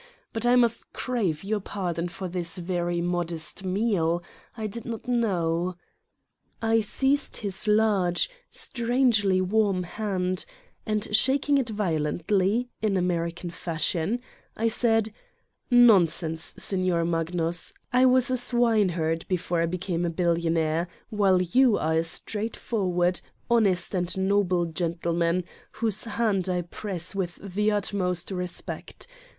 But I must crave your pardon for this very modest meal : I did not know ... 3 I seized his large, strangely warm hand and shaking it violently, in American fashion, I said : "Nonsense, Signer Magnus. I was a swine 20 Satan's Diary herd before I became a billionaire, while you are a straightforward, honest and noble gentleman, whose hand I press with the utmost respect.